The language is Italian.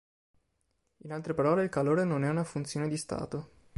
In altre parole, il calore non è una funzione di stato.